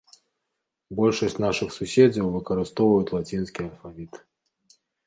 Большасць нашых суседзяў выкарыстоўваюць лацінскі алфавіт.